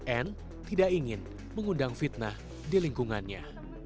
anne tidak ingin mengundang fitnah di lingkungannya